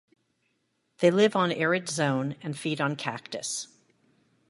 They live on arid zone and feed on cactus.